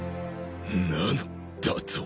なんだと？